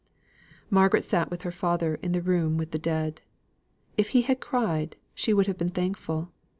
Margaret sate with her father in the room of the dead. If he had cried, she would have been thankful.